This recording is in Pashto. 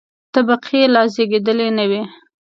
طبقې لا زېږېدلې نه وې.